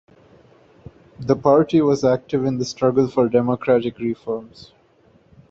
The party was active in the struggle for democratic reforms.